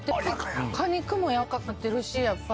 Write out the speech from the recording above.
果肉もやわらかくなってるしやっぱり。